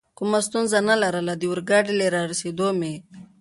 کومه ستونزه نه لرله، د اورګاډي له رارسېدو مې.